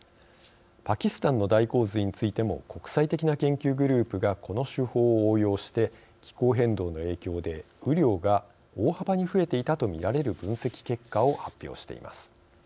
パキスタンの大洪水についても国際的な研究グループがこの手法を応用して気候変動の影響で雨量が大幅に増えていたと見られる分析結果を発表しています。